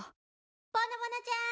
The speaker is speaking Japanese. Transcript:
・ぼのぼのちゃん！